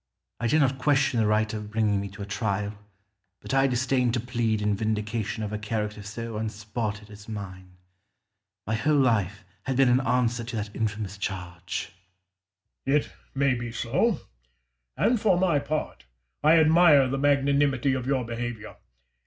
Scipio. I did not question the right of bringing me to a trial, but I disdained to plead in vindication of a character so unspotted as mine. My whole life had been an answer to that infamous charge. Caesar. It may be so; and, for my part, I admire the magnanimity of your behaviour.